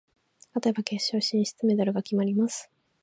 勝てば決勝進出、メダルが決まります。